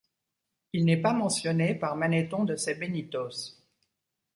Il n'est pas mentionné par Manéthon de Sebennytos.